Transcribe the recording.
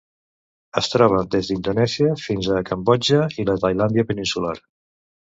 Es troba des d'Indonèsia fins a Cambodja i la Tailàndia peninsular.